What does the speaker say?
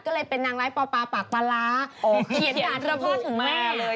ก็เลยเป็นนางร้ายป่าปากปลาร้าเขียนข่าวถูกมากเลย